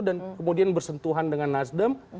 dan kemudian bersentuhan dengan nasdam